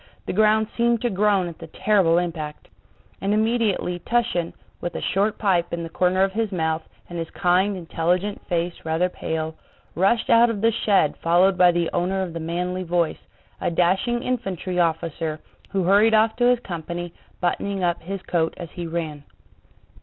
The ground seemed to groan at the terrible impact. And immediately Túshin, with a short pipe in the corner of his mouth and his kind, intelligent face rather pale, rushed out of the shed followed by the owner of the manly voice, a dashing infantry officer who hurried off to his company, buttoning up his coat as he ran.